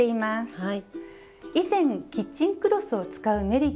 はい。